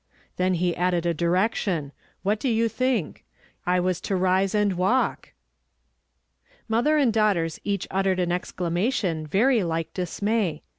Then he added a direction. What do you think? I was to rise and walk! " Mother and daughtei s each uttered an exclama tion very like dismay.